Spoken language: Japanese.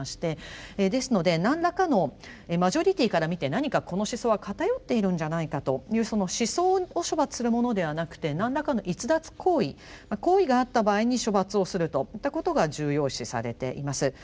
ですので何らかのマジョリティーから見て何かこの思想は偏っているんじゃないかというその思想を処罰するものではなくて何らかの逸脱行為行為があった場合に処罰をするといったことが重要視されています。